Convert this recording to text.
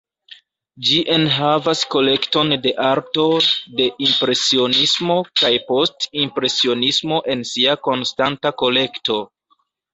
Ĝi enhavas kolekton de arto de Impresionismo kaj Post-impresionismo en sia konstanta kolekto.